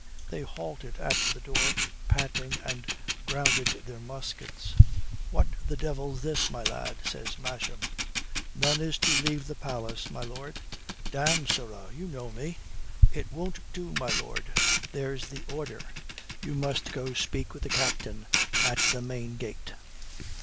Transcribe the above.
They halted at the door, panting, and grounded their muskets. "What the devil's this, my lad?" says Masham. "None is to leave the palace, my lord." "Damme, sirrah, you know me?" "It won't do, my lord. That's the order. You must go speak with the captain at the main gate."